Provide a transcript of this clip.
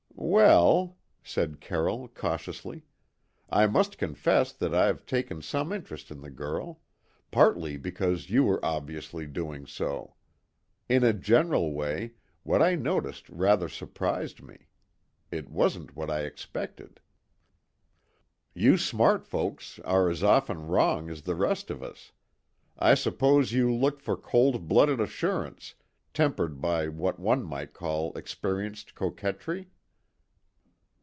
"Well," said Carroll cautiously, "I must confess that I've taken some interest in the girl; partly because you were obviously doing so. In a general way, what I noticed rather surprised me. It wasn't what I expected." "You smart folks are as often wrong as the rest of us. I suppose you looked for cold blooded assurance, tempered by what one might call experienced coquetry?"